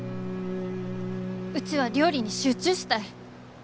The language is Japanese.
うちは料理に集中したい。